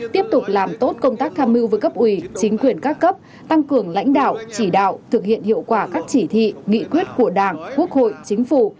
tiếp tục làm tốt công tác tham mưu với cấp ủy chính quyền các cấp tăng cường lãnh đạo chỉ đạo thực hiện hiệu quả các chỉ thị nghị quyết của đảng quốc hội chính phủ